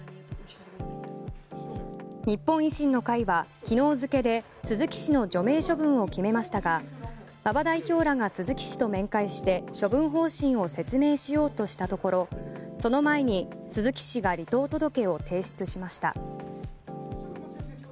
日本維新の会は昨日付で鈴木氏の除名処分を決めましたが馬場代表らが鈴木氏と面会して処分方針を説明しようとしたところその前に鈴木氏が離党届を提出しました。